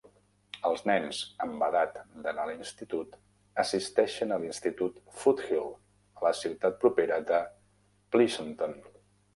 Els nens amb edat d'anar a l'institut assisteixen a l'Institut Foothill, a la ciutat propera de Pleasanton.